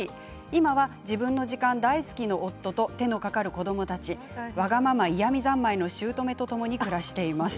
今は自分の時間大好きの夫と手のかかる子どもたちわがまま、嫌み三昧のしゅうとめとともに暮らしています。